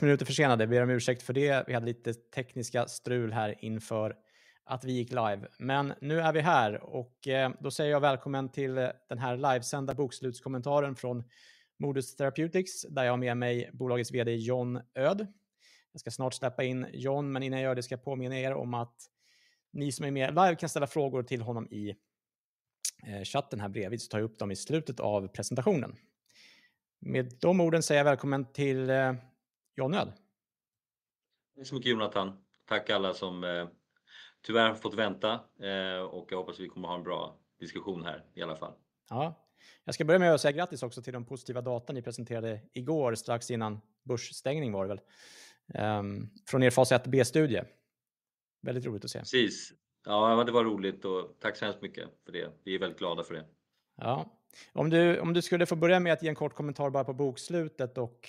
Minuter försenade. Ber om ursäkt för det. Vi hade lite tekniska strul här inför att vi gick live. Nu är vi här och då säger jag välkommen till den här livesända bokslutskommentaren från Modus Therapeutics, där jag har med mig bolagets VD John Öhd. Jag ska snart släppa in John, men innan jag gör det ska jag påminna er om att ni som är med live kan ställa frågor till honom i chatten här bredvid så tar jag upp dem i slutet av presentationen. Med de orden säger jag välkommen till John Öhd. Tack så mycket Jonatan. Tack alla som tyvärr har fått vänta och jag hoppas vi kommer ha en bra diskussion här i alla fall. Ja, jag ska börja med att säga grattis också till de positiva data ni presenterade i går strax innan börsstängning var det väl, från er Fas 1b studie. Väldigt roligt att se. Precis. Ja, det var roligt och tack så hemskt mycket för det. Vi är väldigt glada för det. Om du skulle få börja med att ge en kort kommentar bara på bokslutet och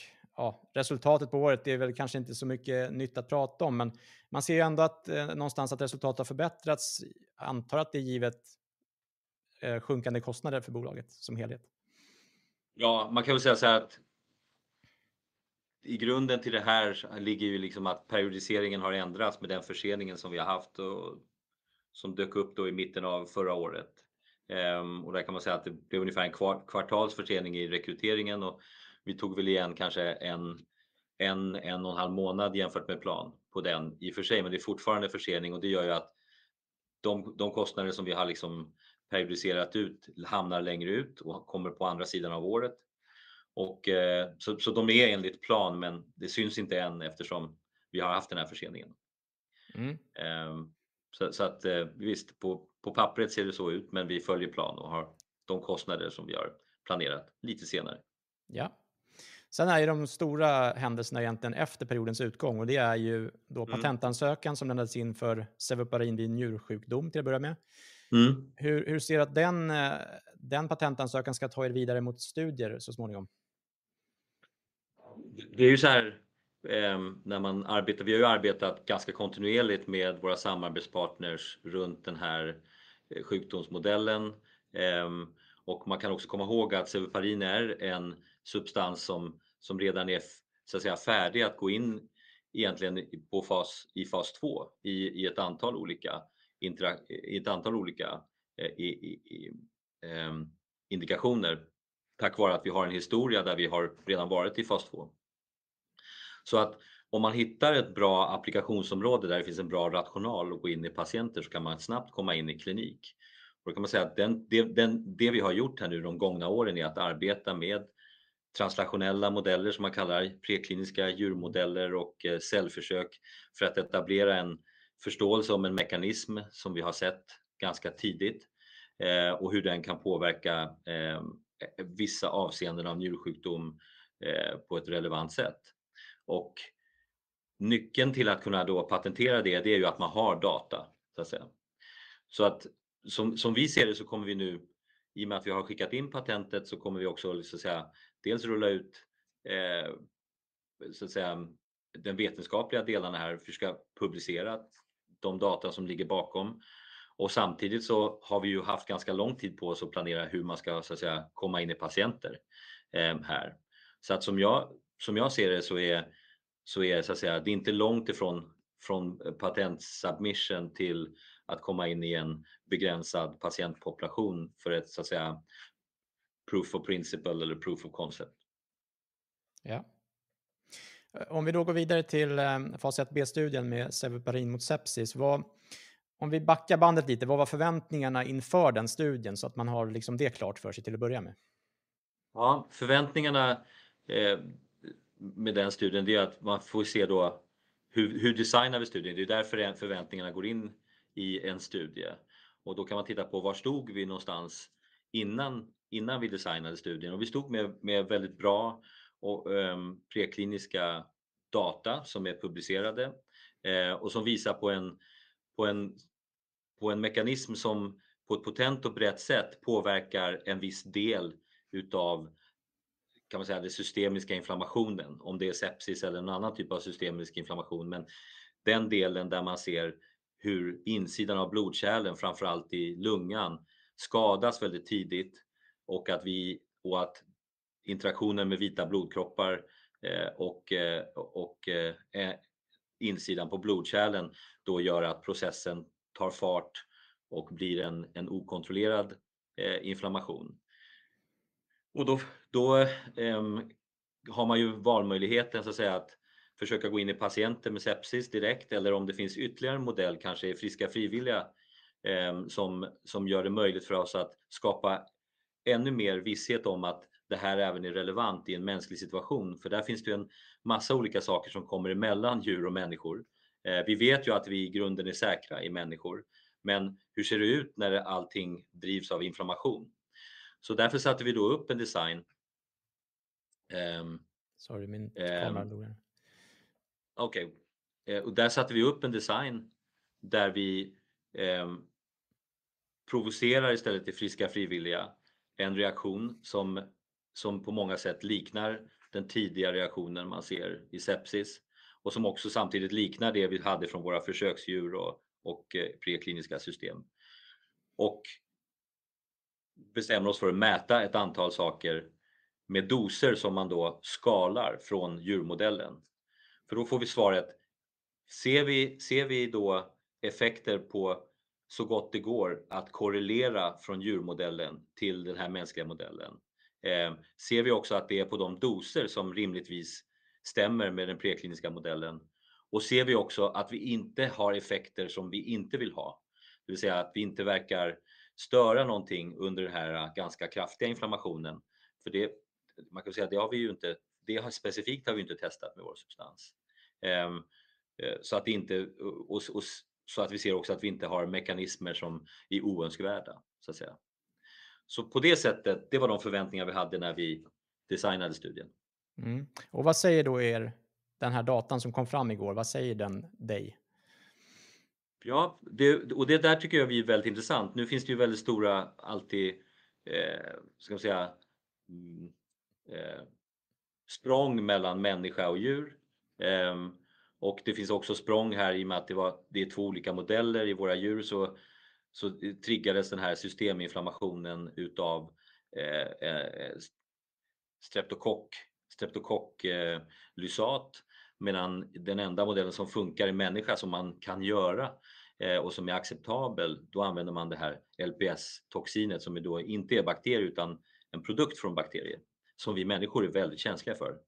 resultatet på året. Det är väl kanske inte så mycket nytt att prata om, men man ser ändå att någonstans att resultatet har förbättrats. Jag antar att det är givet sjunkande kostnader för bolaget som helhet. Man kan väl säga så här att i grunden till det här ligger ju liksom att periodiseringen har ändrats med den förseningen som vi har haft och som dök upp då i mitten av förra året. Där kan man säga att det blev ungefär en kvar-kvartalsförsening i rekryteringen och vi tog väl igen kanske 1.5 månad jämfört med plan på den i för sig, men det är fortfarande försening och det gör ju att de kostnader som vi har liksom periodiserat ut hamnar längre ut och kommer på andra sidan av året. De är enligt plan, men det syns inte än eftersom vi har haft den här förseningen. Visst, på pappret ser det så ut, men vi följer plan och har de kostnader som vi har planerat lite senare. Sen är ju de stora händelserna egentligen efter periodens utgång och det är ju då patentansökan som lämnades in för sevuparin vid njursjukdom till att börja med. Hur ser du att den patentansökan ska ta er vidare mot studier så småningom? Det är ju såhär, när man arbetar. Vi har ju arbetat ganska kontinuerligt med våra samarbetspartners runt den här sjukdomsmodellen. Och man kan också komma ihåg att sevuparin är en substans som redan är så att säga färdig att gå in egentligen i Fas II i ett antal olika indikationer. Tack vare att vi har en historia där vi har redan varit i Fas II. Om man hittar ett bra applikationsområde där det finns en bra rational att gå in i patienter så kan man snabbt komma in i klinik. Man kan säga att vi har gjort här nu de gångna åren är att arbeta med translationella modeller som man kallar prekliniska djurmodeller och cellförsök för att etablera en förståelse om en mekanism som vi har sett ganska tidigt, och hur den kan påverka, vissa avseenden av njursjukdom, på ett relevant sätt. Nyckeln till att kunna då patentera det är ju att man har data så att säga. Som vi ser det så kommer vi nu i och med att vi har skickat in patentet så kommer vi också så att säga dels rulla ut, så att säga den vetenskapliga delarna här, försöka publicera de data som ligger bakom. Samtidigt så har vi ju haft ganska lång tid på oss att planera hur man ska så att säga komma in i patienter, här. som jag ser det så är det så att säga, det är inte långt från patent submission till att komma in i en begränsad patientpopulation för ett så att säga proof of principle eller proof of concept. Ja. Om vi då går vidare till Fas 1b-studien med sevuparin mot sepsis. Om vi backar bandet lite, vad var förväntningarna inför den studien så att man har liksom det klart för sig till att börja med? Förväntningarna med den studien, det är att man får se då hur designar vi studien. Det är därför förväntningarna går in i en studie. Då kan man titta på var stod vi någonstans innan vi designade studien. Vi stod med väldigt bra och prekliniska data som är publicerade och som visar på en mekanism som på ett potent och brett sätt påverkar en viss del utav kan man säga den systemiska inflammationen, om det är sepsis eller någon annan typ av systemisk inflammation. Den delen där man ser hur insidan av blodkärlen, framför allt i lungan, skadas väldigt tidigt och att interaktionen med vita blodkroppar och insidan på blodkärlen då gör att processen tar fart och blir en okontrollerad inflammation. Då har man ju valmöjligheten så att säga att försöka gå in i patienter med sepsis direkt eller om det finns ytterligare en modell, kanske i friska frivilliga, som gör det möjligt för oss att skapa ännu mer visshet om att det här även är relevant i en mänsklig situation. Där finns det ju en massa olika saker som kommer emellan djur och människor. Vi vet ju att vi i grunden är säkra i människor, men hur ser det ut när allting drivs av inflammation? Därför satte vi då upp en design. Sorry, min klocka låter. Okej, och där satte vi upp en design där vi provocerar istället i friska frivilliga en reaktion som på många sätt liknar den tidiga reaktionen man ser i sepsis och som också samtidigt liknar det vi hade från våra försöksdjur och prekliniska system. Bestämma oss för att mäta ett antal saker med doser som man då skalar från djurmodellen. Då får vi svaret: Ser vi då effekter på så gott det går att korrelera från djurmodellen till den här mänskliga modellen? Ser vi också att det är på de doser som rimligtvis stämmer med den prekliniska modellen? Ser vi också att vi inte har effekter som vi inte vill ha? Det vill säga att vi inte verkar störa någonting under den här ganska kraftiga inflammationen. För det, man kan väl säga, det har vi ju inte, specifikt har vi inte testat med vår substans. så att det inte, och så att vi ser också att vi inte har mekanismer som är oönskvärda så att säga. På det sättet, det var de förväntningar vi hade när vi designade studien. Vad säger då er den här datan som kom fram igår? Vad säger den dig? Ja, det där tycker jag blir väldigt intressant. Nu finns det ju väldigt stora alltid, ska man säga, språng mellan människa och djur. Det finns också språng här i och med att det är två olika modeller. I våra djur så triggades den här systeminflammationen utav streptokocklysat. Medan den enda modellen som funkar i människa som man kan göra, och som är acceptabel, då använder man det här LPS-toxinet som ju då inte är bakterier utan en produkt från bakterier som vi människor är väldigt känsliga för.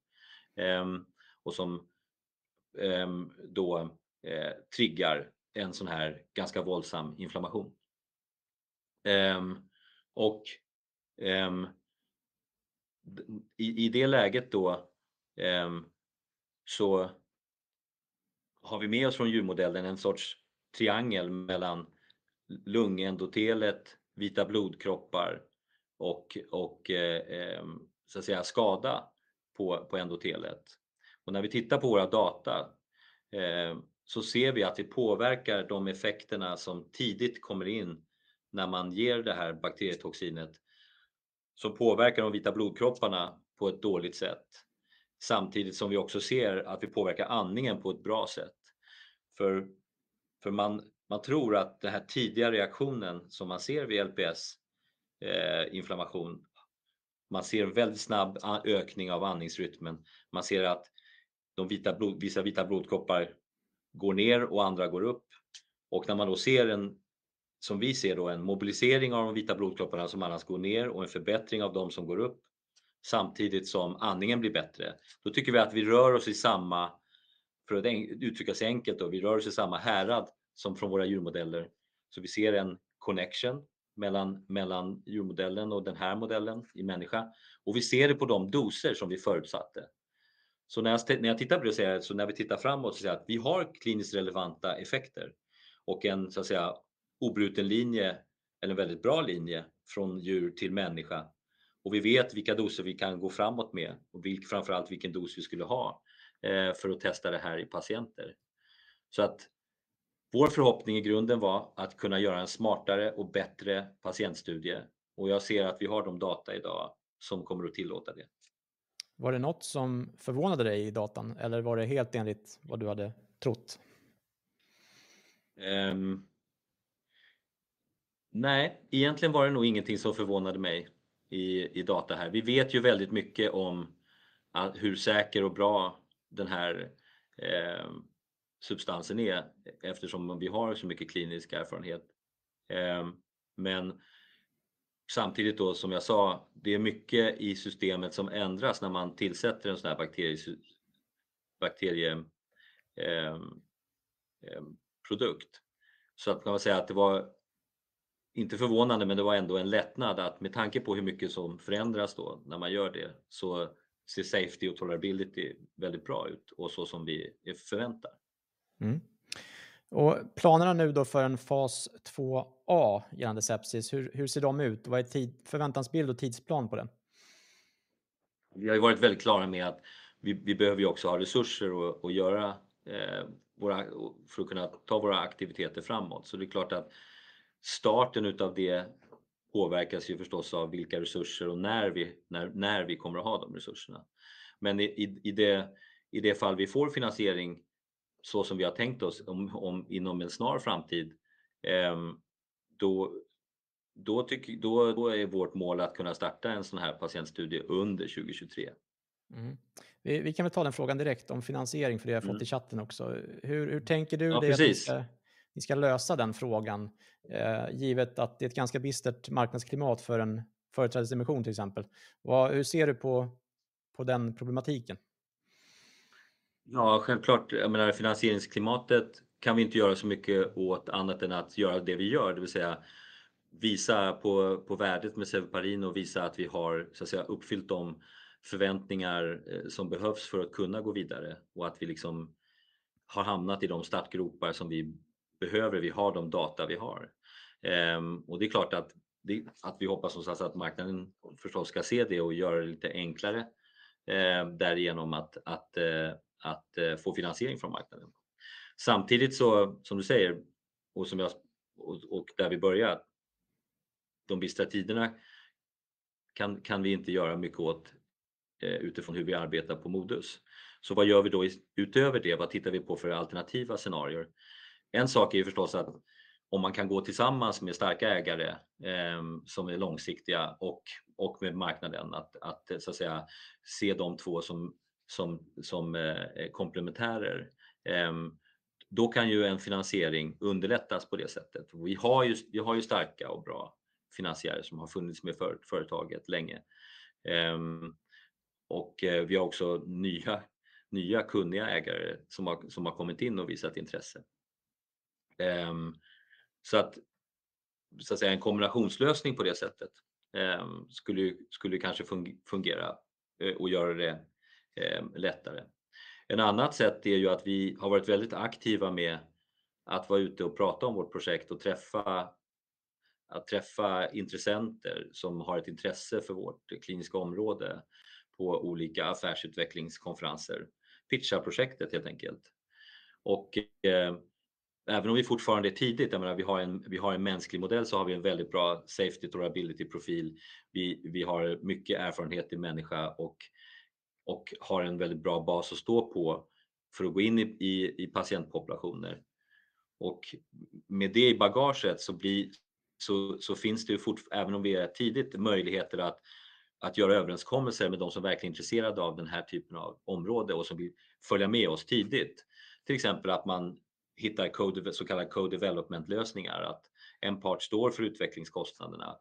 Som då triggar en sån här ganska våldsam inflammation. I det läget då så har vi med oss från djurmodellen en sorts triangel mellan lungendotelet, vita blodkroppar och så att säga skada på endotelet. När vi tittar på våra data, så ser vi att det påverkar de effekterna som tidigt kommer in när man ger det här bakterietoxinet som påverkar de vita blodkropparna på ett dåligt sätt. Samtidigt som vi också ser att vi påverkar andningen på ett bra sätt. För man tror att den här tidiga reaktionen som man ser vid LPS inflammation, man ser väldigt snabb ökning av andningsrytmen. Man ser att vissa vita blodkroppar går ner och andra går upp. När man då ser, som vi ser då, en mobilisering av de vita blodkropparna som annars går ner och en förbättring av de som går upp, samtidigt som andningen blir bättre, då tycker vi att vi rör oss i samma, för att uttrycka sig enkelt då, vi rör oss i samma härad som från våra djurmodeller. Vi ser en connection mellan djurmodellen och den här modellen i människa. Vi ser det på de doser som vi förutsatte. När jag tittar på det så här, när vi tittar framåt, så säger vi att vi har kliniskt relevanta effekter och en så att säga obruten linje eller väldigt bra linje från djur till människa. Vi vet vilka doser vi kan gå framåt med och framför allt vilken dos vi skulle ha för att testa det här i patienter. Vår förhoppning i grunden var att kunna göra en smartare och bättre patientstudie och jag ser att vi har de data idag som kommer att tillåta det. Var det något som förvånade dig i data eller var det helt enligt vad du hade trott? Nej, egentligen var det nog ingenting som förvånade mig i data här. Vi vet ju väldigt mycket om hur säker och bra den här substansen är eftersom vi har så mycket klinisk erfarenhet. Samtidigt då, som jag sa, det är mycket i systemet som ändras när man tillsätter en sån här bakterie produkt. Man kan väl säga att det var inte förvånande, men det var ändå en lättnad att med tanke på hur mycket som förändras då när man gör det, så ser safety och tolerability väldigt bra ut och så som vi förväntar. Mm. Planerna nu då för en Fas IIa gällande sepsis. Hur ser de ut? Vad är förväntansbild och tidsplan på den? Vi har varit väldigt klara med att vi behöver ju också ha resurser och göra för att kunna ta våra aktiviteter framåt. Det är klart att starten utav det påverkas ju förstås av vilka resurser och när vi kommer att ha de resurserna. I det fall vi får finansiering så som vi har tänkt oss om inom en snar framtid, då är vårt mål att kunna starta en sån här patientstudie under 2023. Vi kan väl ta den frågan direkt om finansiering, för det har jag fått i chatten också. Hur tänker du dig. Ja, precis. att ni ska lösa den frågan, givet att det är ett ganska bistert marknadsklimat för en företrädesemission till exempel. Vad, hur ser du på den problematiken? Ja, självklart, I mean, finansieringsklimatet kan vi inte göra så mycket åt annat än att göra det vi gör. Det vill säga visa på värdet med sevuparin och visa att vi har så att säga uppfyllt de förväntningar som behövs för att kunna gå vidare och att vi liksom har hamnat i de startgropar som vi behöver. Vi har de data vi har. Det är klart att vi hoppas som sagt att marknaden förstås ska se det och göra det lite enklare därigenom att få finansiering från marknaden. Samtidigt, som du säger, där vi börjar de bistra tiderna. Kan vi inte göra mycket åt utifrån hur vi arbetar på Modus. Vad gör vi då utöver det? Vad tittar vi på för alternativa scenarier? En sak är ju förstås att om man kan gå tillsammans med starka ägare som är långsiktiga och med marknaden att så att säga se de två som är komplementärer. Kan ju en finansiering underlättas på det sättet. Vi har ju starka och bra finansiärer som har funnits med företaget länge. Vi har också nya kunniga ägare som har kommit in och visat intresse. Så att säga en kombinationslösning på det sättet skulle kanske fungera och göra det lättare. Ett annat sätt är ju att vi har varit väldigt aktiva med att vara ute och prata om vårt projekt och träffa intressenter som har ett intresse för vårt kliniska område på olika affärsutvecklingskonferenser. Pitcha projektet helt enkelt. Även om vi fortfarande är tidigt, jag menar vi har en mänsklig modell så har we en väldigt bra safety tolerability profil. Vi har mycket erfarenhet i människa och har en väldigt bra bas att stå på för att gå in i patientpopulationer. Med det i bagaget så finns det ju Även om vi är tidigt möjligheter att göra överenskommelser med de som verkligen är intresserade av den här typen av område och som vill följa med oss tidigt. Till exempel att man hittar så kallade co-development lösningar. Att en part står för utvecklingskostnaderna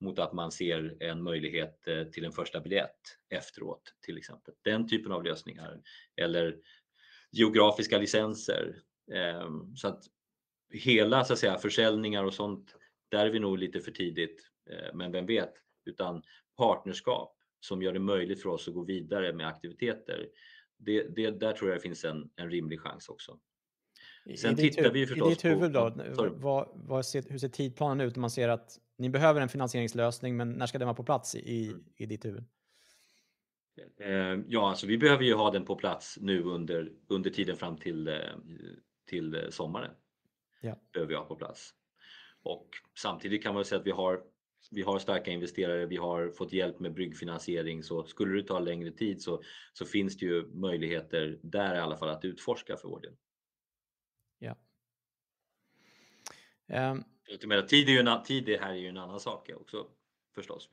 mot att man ser en möjlighet till en första biljett efteråt, till exempel. Den typen av lösningar eller geografiska licenser. Så att hela så att säga försäljningar och sånt, där är vi nog lite för tidigt, vem vet? Utan partnerskap som gör det möjligt för oss att gå vidare med aktiviteter. Det där tror jag det finns en rimlig chans också. Tittar vi förstås på. I ditt huvud då, hur ser tidplanen ut om man ser att ni behöver en finansieringslösning, men när ska den vara på plats i ditt huvud? Vi behöver ju ha den på plats nu under tiden fram till sommaren. Ja. Behöver vi ha på plats. Samtidigt kan man säga att vi har starka investerare, vi har fått hjälp med bryggfinansiering. Skulle det ta längre tid så finns det ju möjligheter där i alla fall att utforska för vår del. Ja. Utöver det, tid är ju en annan sak också förstås.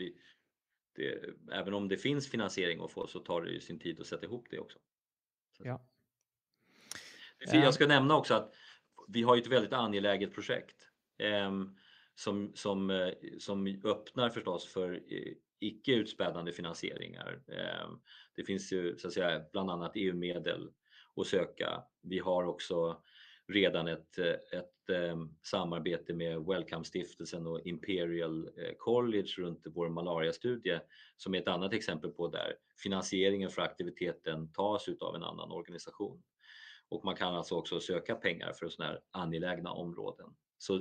Även om det finns finansiering att få så tar det ju sin tid att sätta ihop det också. Ja. Jag ska nämna också att vi har ett väldigt angeläget projekt, som öppnar förstås för icke utspädande finansieringar. Det finns ju så att säga bland annat EU-medel att söka. Vi har också redan ett samarbete med Wellcomestiftelsen och Imperial College runt vår malariastudie, som är ett annat exempel på där finansieringen för aktiviteten tas utav en annan organisation. Man kan alltså också söka pengar för såna här angelägna områden.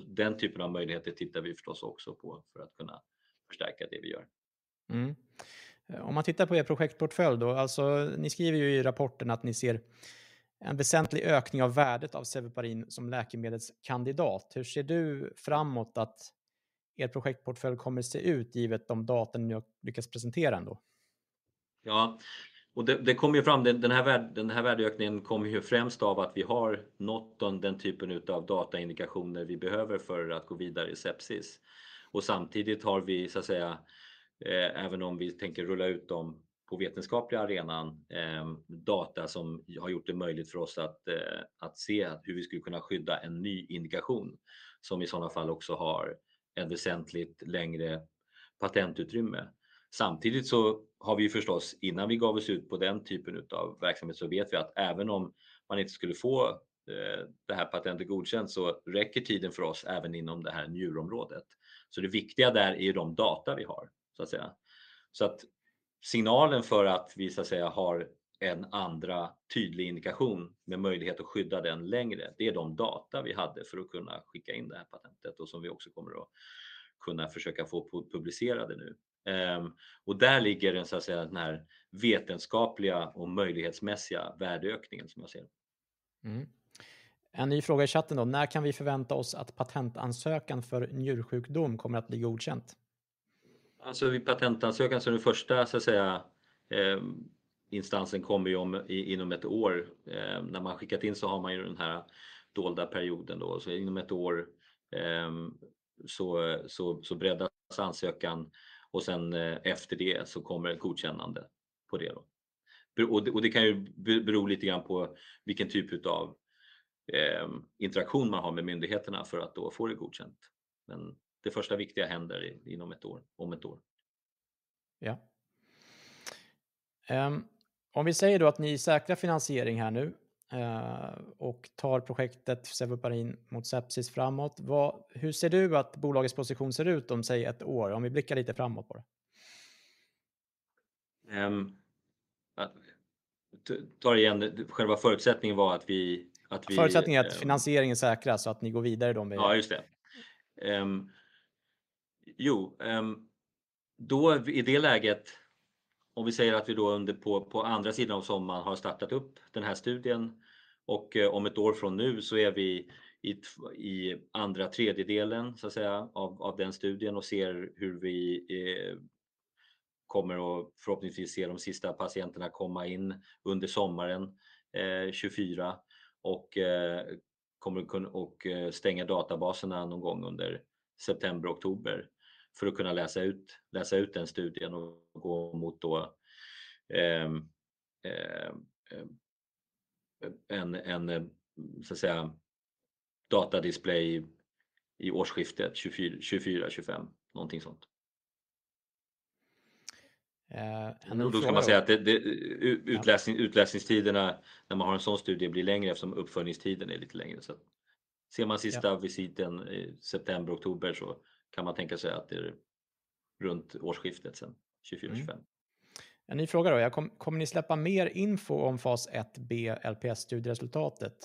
Den typen av möjligheter tittar vi förstås också på för att kunna förstärka det vi gör. Om man tittar på er projektportfölj då. Alltså, ni skriver ju i rapporten att ni ser en väsentlig ökning av värdet av sevuparin som läkemedelskandidat. Hur ser du framåt att er projektportfölj kommer att se ut givet de datan ni har lyckats presentera ändå? Ja, det kommer ju fram den här värdeökningen kommer ju främst av att vi har nått den typen utav dataindikationer vi behöver för att gå vidare i sepsis. Samtidigt har vi så att säga, även om vi tänker rulla ut dem på vetenskapliga arenan, data som har gjort det möjligt för oss att se hur vi skulle kunna skydda en ny indikation som i sådana fall också har ett väsentligt längre patentutrymme. Samtidigt har vi förstås, innan vi gav oss ut på den typen av verksamhet, vet vi att även om man inte skulle få det här patentet godkänt så räcker tiden för oss även inom det här njurområdet. Det viktiga där är ju de data vi har, så att säga. Signalen för att vi så att säga har en andra tydlig indikation med möjlighet att skydda den längre, det är de data vi hade för att kunna skicka in det här patentet och som vi också kommer att kunna försöka få publicerade nu. Och där ligger den så att säga den här vetenskapliga och möjlighetsmässiga värdeökningen som jag ser det. En ny fråga i chatten då: När kan vi förvänta oss att patentansökan för njursjukdom kommer att bli godkänt? vi patentansökan den första instansen kommer ju om, inom ett år. När man har skickat in så har man ju den här dolda perioden då. Inom ett år bereddas ansökan och sen efter det så kommer ett godkännande på det då. Det kan ju bero lite grann på vilken typ utav interaktion man har med myndigheterna för att då få det godkänt. Det första viktiga händer inom ett år, om ett år. Ja. Om vi säger då att ni säkrar finansiering här nu och tar projektet sevuparin mot sepsis framåt, hur ser du att bolagets position ser ut om säg one year? Om vi blickar lite framåt på det. Ta det igen. Själva förutsättningen var att vi. Förutsättningen är att finansieringen säkras så att ni går vidare då. Ja, just det. jo i det läget om vi säger att vi då under på andra sidan av sommaren har startat upp den här studien och om ett år från nu så är vi i andra tredjedelen så att säga av den studien och ser hur vi kommer att förhoppningsvis se de sista patienterna komma in under sommaren 2024. kommer att kunna och stänga databaserna någon gång under september, oktober för att kunna läsa ut den studien och gå mot då en så att säga datadisplay i årsskiftet 2024, 2025, någonting sånt. En ny fråga. Kan man säga att det utläsningstiderna när man har en sådan studie blir längre eftersom uppföljningstiden är lite längre. Ser man sista visiten i september, oktober så kan man tänka sig att det är runt årsskiftet sen 2024, 2025. En ny fråga då. Kommer ni släppa mer info om Fas 1b LPS studieresultatet?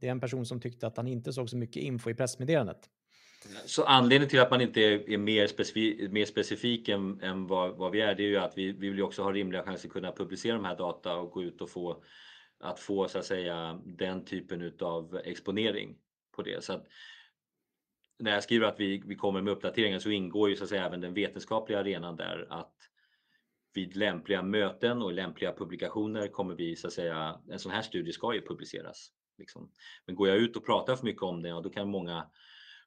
Det är en person som tyckte att han inte såg så mycket info i pressmeddelandet. Anledningen till att man inte är mer specifik än vad vi är, det är ju att vi vill ju också ha rimliga chanser att kunna publicera de här data och gå ut och få så att säga den typen utav exponering på det. När jag skriver att vi kommer med uppdateringen så ingår ju så att säga även den vetenskapliga arenan där att vid lämpliga möten och lämpliga publikationer kommer vi så att säga, en sådan här studie ska ju publiceras. Går jag ut och pratar för mycket om det, ja då kan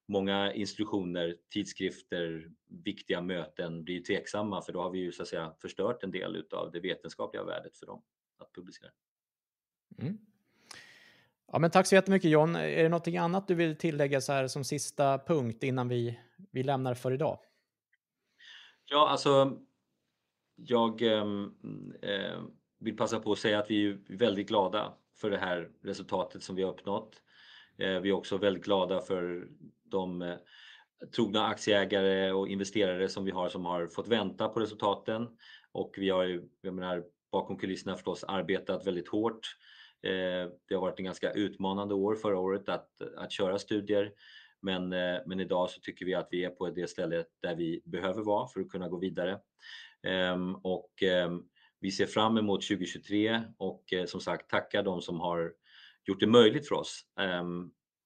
många institutioner, tidskrifter, viktiga möten bli tveksamma för då har vi ju så att säga förstört en del utav det vetenskapliga värdet för dem att publicera. Ja, men tack så jättemycket John. Är det någonting annat du vill tillägga såhär som sista punkt innan vi lämnar för i dag? Jag vill passa på att säga att vi är ju väldigt glada för det här resultatet som vi har uppnått. Vi är också väldigt glada för de trogna aktieägare och investerare som vi har som har fått vänta på resultaten. Vi har ju, jag menar bakom kulisserna förstås arbetat väldigt hårt. Det har varit ett ganska utmanande år förra året att köra studier. I dag så tycker vi att vi är på det stället där vi behöver vara för att kunna gå vidare. Vi ser fram emot 2023 och som sagt, tacka de som har gjort det möjligt för oss.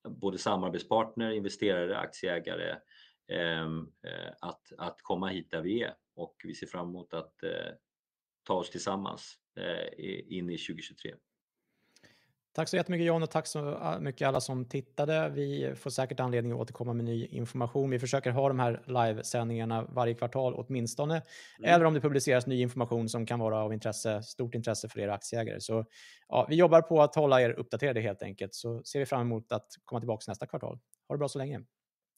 Både samarbetspartner, investerare, aktieägare, att komma hit där vi är. Vi ser fram emot att ta oss tillsammans in i 2023. Tack så jättemycket John och tack så mycket alla som tittade. Vi får säkert anledning att återkomma med ny information. Vi försöker ha de här livesändningarna varje kvartal åtminstone. Eller om det publiceras ny information som kan vara av intresse, stort intresse för er aktieägare. Så ja, vi jobbar på att hålla er uppdaterade helt enkelt. Så ser vi fram emot att komma tillbaka nästa kvartal. Ha det bra så länge.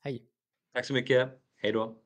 Hej. Tack så mycket. Hejdå.